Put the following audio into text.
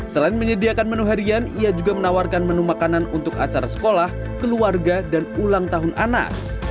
selain menyediakan menu harian ia juga menawarkan menu makanan untuk acara sekolah keluarga dan ulang tahun anak